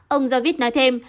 ông savit nói thêm